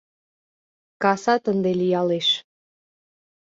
Касат ынде лиялеш